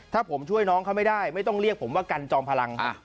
ถ้าผมช่วยน้องเขาไม่ได้ไม่ต้องเรียกผมว่ากันจอมพลัง